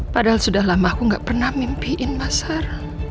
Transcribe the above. padahal sudah lama aku gak pernah mimpiin mas har